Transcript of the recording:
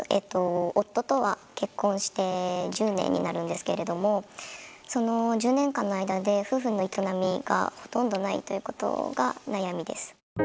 夫とは結婚して１０年になるんですけれどもその１０年間の間で夫婦の営みがほとんど無いということが悩みです。